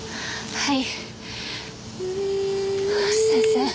はい。